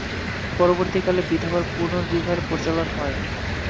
পরবর্তী কালে বিধবার পুনর্বিবাহের প্রচলন হয়।